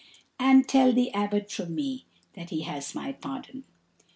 And tell the Abbot from me that he has my pardon."